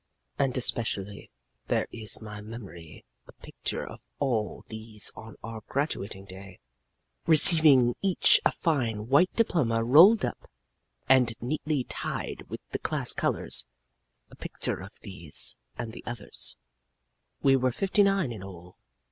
And especially there is in my memory a picture of all these on our graduating day, receiving each a fine white diploma rolled up and neatly tied with the class colors a picture of these and the others, we were fifty nine in all.